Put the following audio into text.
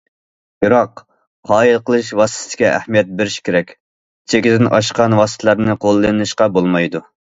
بىراق، قايىل قىلىش ۋاسىتىسىگە ئەھمىيەت بېرىش كېرەك، چېكىدىن ئاشقان ۋاسىتىلەرنى قوللىنىشقا بولمايدۇ.